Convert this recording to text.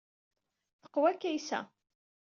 Teqwa Kaysa.